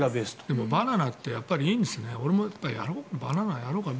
でもバナナっていいんですね、俺もやろうかな。